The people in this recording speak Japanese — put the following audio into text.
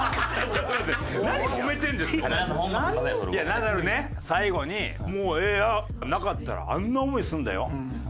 ナダルね最後に「もうええわ」がなかったらあんな思いするんだよ？